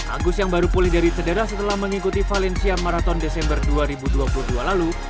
agus yang baru pulih dari cedera setelah mengikuti valencia marathon desember dua ribu dua puluh dua lalu